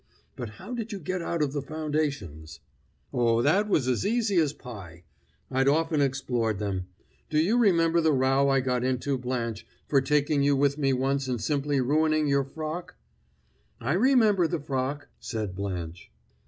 But how did you get out of the foundations?" "Oh, that was as easy as pie; I'd often explored them. Do you remember the row I got into, Blanche, for taking you with me once and simply ruining your frock?" "I remember the frock!" said Blanche.